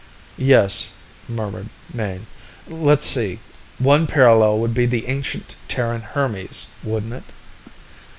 "Yes," murmured Mayne. "Let's see ... one parallel would be the ancient Terran Hermes, wouldn't it?"